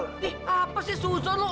ih apa sih susah lu